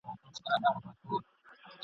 له پردیو به څه ژاړم له خپل قامه ګیله من یم ..